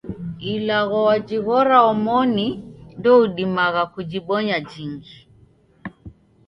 Ilagho wajighora omoni ndoudimagha kujibonya jingi.